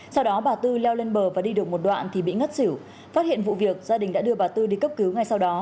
sau đó bà tư leo lên bờ và đi được một đoạn thì bị ngất xỉu phát hiện vụ việc gia đình đã đưa bà tư đi cấp cứu ngay sau đó